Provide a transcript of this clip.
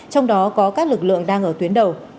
trong đó có các lực lượng đang ở tuyến đầu